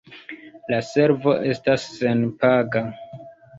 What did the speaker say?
La servo estas senpaga.